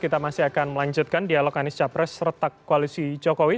kita masih akan melanjutkan dialog anis capres retak koalisi jokowi